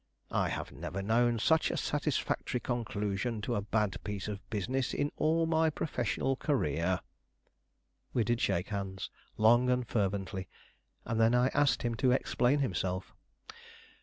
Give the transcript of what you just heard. I have never known such a satisfactory conclusion to a bad piece of business in all my professional career." We did shake hands, long and fervently, and then I asked him to explain himself.